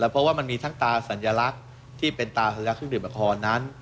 เพราะว่ามันมีทั้งตาสัญลักษณ์ที่เป็นตาสัญลักษณ์เครื่องดื่มละครนั้น